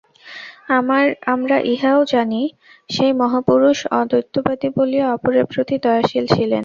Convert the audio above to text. আমরা ইহাও জানি, সেই মহাপুরুষ অদ্বৈতবাদী বলিয়া অপরের প্রতি দয়াশীল ছিলেন।